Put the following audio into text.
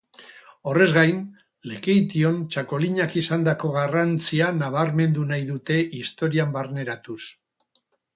Horrez gain, Lekeition txakolinak izandako garrantzia nabarmendu nahi dute historian barneratuz.